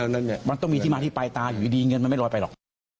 แล้วเนี่ยมันต้องมีที่มาที่ปลายตาอยู่ดีเงินมันไม่ลอยไปหรอก